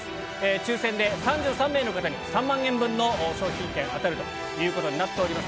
抽せんで３３名の方に３万円分の商品券、当たるということになっております。